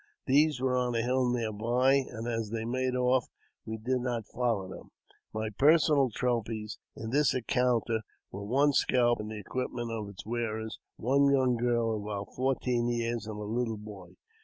These were on a hill near by, and as they made off we did not follow them. My personal trophies in this encounter were one scalp and the equipments of its wearer ; one young girl of about fourteen years, and a little boy.